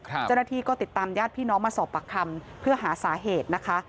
เจ้าหน้าที่ก็ติดตามญาติพี่น้องมาสอบปากคำเพื่อหาสาเหตุนะคะ